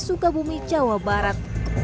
di sukabumi jawa barat